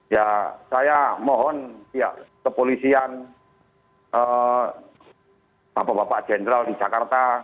ya saya mohon pihak kepolisian bapak bapak jenderal di jakarta